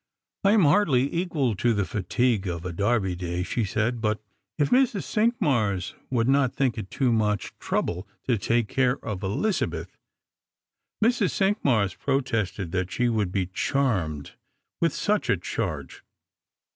" I am hardly equal to the fatigue of a Derby day," she said ; "but if Mrs. Cinqmars would not think it too much trouble to take care of Elizabeth " Mrs. Cinqmars protested that she would be charmed with such a charge.